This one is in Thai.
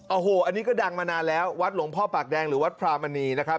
โอ้โหอันนี้ก็ดังมานานแล้ววัดหลวงพ่อปากแดงหรือวัดพรามณีนะครับ